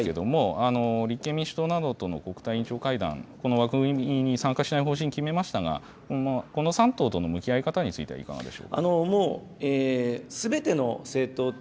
一方、野党との向き合い方なんですけれども、立憲民主党などとの国対委員長会談、この枠組みに参加しない方針決めましたが、この３党との向き合い方については、いかがでしょうか。